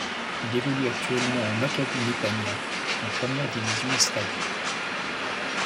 Il évolue actuellement au Maccabi Netanya en première division israélienne.